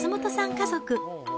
家族。